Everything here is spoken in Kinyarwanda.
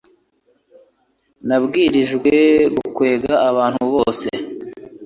Nabwirijwe gukwega abantu bose